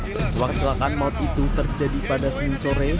persuas kecelakaan maut itu terjadi pada seminggu sore